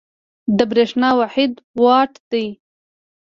د برېښنا واحد وات دی.